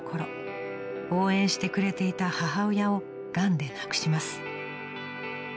［応援してくれていた母親をがんで亡くします］